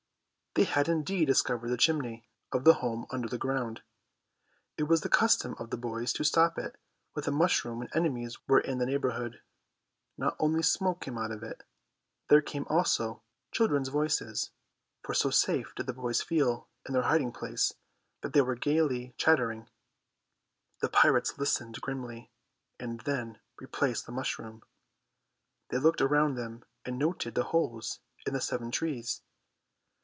They had indeed discovered the chimney of the home under the ground. It was the custom of the boys to stop it with a mushroom when enemies were in the neighbourhood. Not only smoke came out of it. There came also children's voices, for so safe did the boys feel in their hiding place that they were gaily chattering. The pirates listened grimly, and then replaced the mushroom. They looked around them and noted the holes in the seven trees.